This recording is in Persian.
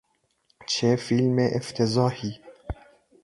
چه فیلم افتضاحی!